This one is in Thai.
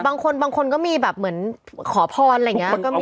บางคนบางคนก็มีแบบเหมือนขอพรอะไรอย่างนี้